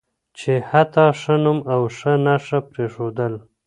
چې حتی ښه نوم او ښه نښه پرېښودل